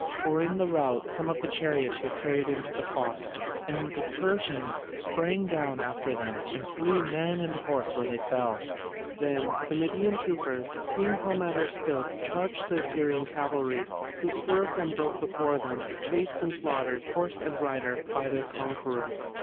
For in the rout some of the chariots were carried into the fosse, and the Persians sprang down after them and slew man and horse where they fell. Then the Median troopers, seeing how matters stood, charged the Assyrian cavalry, who swerved and broke before them, chased and slaughtered, horse and rider, by their conquerors.